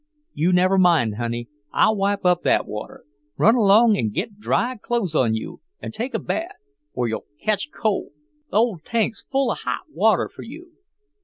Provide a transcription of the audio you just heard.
You never mind, honey; I'll wipe up that water. Run along and git dry clothes on you, an' take a bath, or you'll ketch cold. Th' ole tank's full of hot water for you."